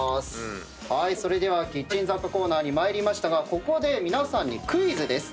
それではキッチン雑貨コーナーに参りましたがここで皆さんにクイズです。